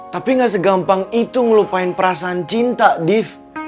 tapi ga segampang itu ngelupain perasaan cinta div